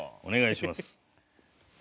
お願いします。